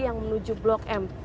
yang menuju blok m